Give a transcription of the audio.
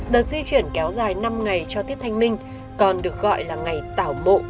đợt di chuyển kéo dài năm ngày cho tiết thanh minh còn được gọi là ngày tảo mộ